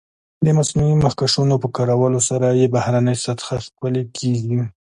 د مصنوعي مخکشونو په کارولو سره یې بهرنۍ سطح ښکلې کېږي.